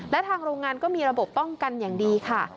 และทางโรงงานก็มีระบบป้องกันอย่างดีค่ะ